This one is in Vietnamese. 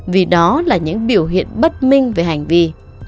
vì đó là những biểu hiện bất minh về hành vi